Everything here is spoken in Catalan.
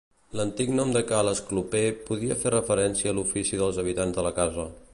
L'antic nom de ca l'Escloper podria fer referència a l'ofici dels habitants de la casa.